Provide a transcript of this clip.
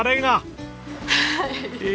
はい。